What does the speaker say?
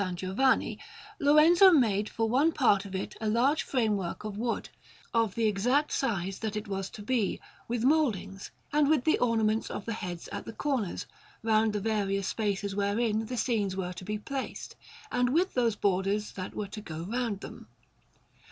Giovanni, Lorenzo made for one part of it a large framework of wood, of the exact size that it was to be, with mouldings, and with the ornaments of the heads at the corners, round the various spaces wherein the scenes were to be placed, and with those borders that were to go round them.